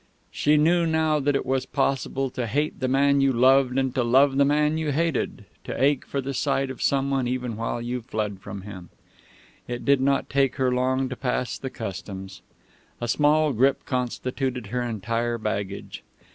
She knew now that it was possible to hate the man you loved and to love the man you hated, to ache for the sight of someone even while you fled from him. It did not take her long to pass the Customs. A small grip constituted her entire baggage.